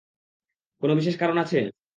কোন বিশেষ কারণ আছে?